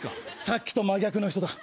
さっきと真逆の人だ。